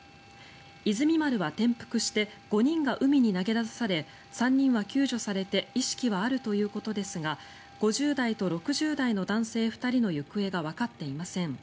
「いずみ丸」は転覆して５人が海に投げ出され３人は救助されて意識はあるということですが５０代と６０代の男性２人の行方がわかっていません。